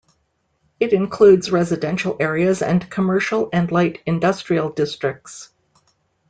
It includes residential areas and commercial and light industrial districts.